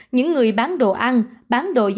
những người bán đồ ăn bán đồ gia dục